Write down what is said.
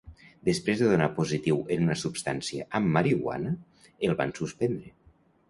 Després de donar positiu en una substància amb marihuana, el van suspendre.